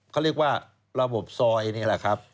เขาเรียกว่าระบบซอยนี่แหละครับ